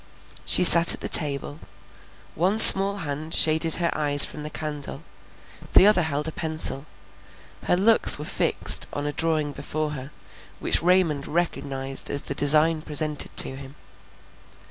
She sat at the table; one small hand shaded her eyes from the candle; the other held a pencil; her looks were fixed on a drawing before her, which Raymond recognized as the design presented to him.